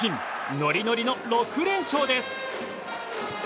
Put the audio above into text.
ノリノリの６連勝です。